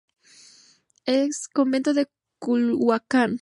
Ex Convento de Culhuacán.